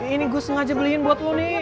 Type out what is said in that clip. ini gus sengaja beliin buat lo nih